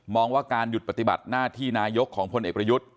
ว่าการหยุดปฏิบัติหน้าที่นายกของพลเอกประยุทธ์